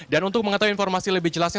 dan untuk mengetahui informasi lebih jelasnya